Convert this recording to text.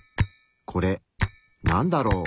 これなんだろう？